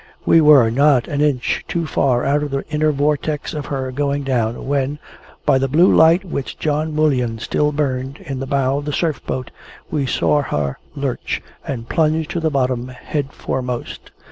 We were not an inch too far out of the inner vortex of her going down, when, by the blue light which John Mullion still burnt in the bow of the Surf boat, we saw her lurch, and plunge to the bottom head foremost.